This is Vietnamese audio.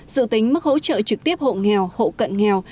dự tính mức hỗ trợ trực tiếp hộ nghèo hộ cận nghèo